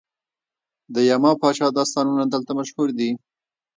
د یما پاچا داستانونه دلته مشهور دي